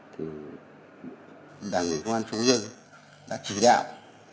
thì đảng ủy quan trung ương đã chỉ đạo